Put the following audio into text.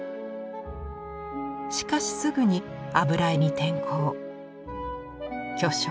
しかしすぐに油絵に転向巨匠